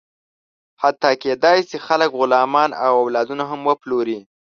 حتی کېدی شي، خلک غلامان او اولادونه هم وپلوري.